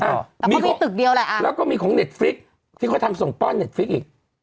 อันนี้คือตึกเดียวแหละแล้วก็มีของเน็ตฟริกที่เขาทำส่งป้อนเน็ตฟิกอีก